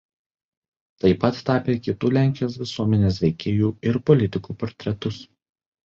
Taip pat tapė kitų Lenkijos visuomenės veikėjų ir politikų portretus.